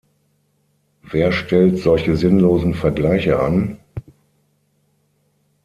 Wer stellt solche sinnlosen Vergleiche an?